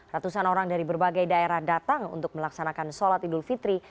ratusan orang dari berbagai daerah datang untuk melaksanakan sholat idul fitri